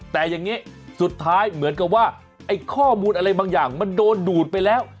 แต่อย่างนี้สุดท้ายเหมือนกับว่าไอ้ข้อมูลอะไรบางอย่างมันโดนดูดไปแล้ว